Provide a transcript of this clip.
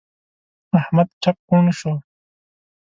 احمد ټپ کوڼ شو.